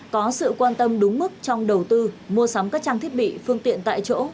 có sự quan tâm đúng mức trong đầu tư mua sắm các trang thiết bị phương tiện tại chỗ